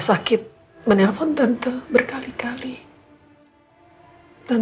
tante terlalu lama berpikir dan